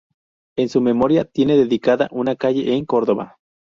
En su memoria tiene dedicada una calle en Córdoba.